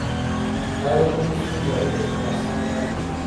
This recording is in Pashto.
دا د کمیسیون د رییس تر اثر لاندې ده.